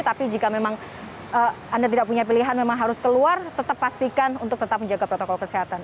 tapi jika memang anda tidak punya pilihan memang harus keluar tetap pastikan untuk tetap menjaga protokol kesehatan